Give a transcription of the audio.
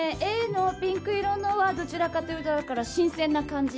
Ａのピンク色のはどちらかというと新鮮な感じ。